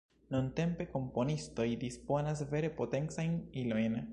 Nuntempe komponistoj disponas vere potencajn ilojn.